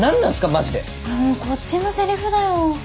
もうこっちのセリフだよ。